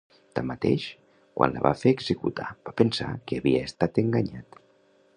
Tanmateix, quan la va fer executar va pensar que havia estat enganyat.